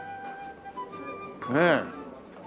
ねえ。